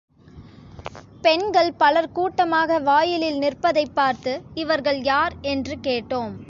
பெண்கள் பலர் கூட்டமாக வாயிலில் நிற்பதைப் பார்த்து, இவர்கள் யார்? என்று கேட்டோம்.